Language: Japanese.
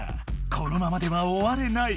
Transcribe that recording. このままではおわれない。